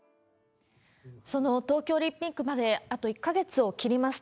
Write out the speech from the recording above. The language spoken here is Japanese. その東京オリンピックまで、あと１か月を切りました。